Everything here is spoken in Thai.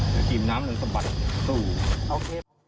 เดี๋ยวกินน้ำหนึ่งสมัครสูง